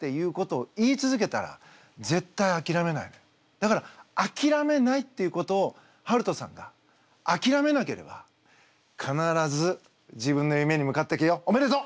だからあきらめないっていうことをはるとさんがあきらめなければ必ず自分の夢に向かっていくよおめでとう！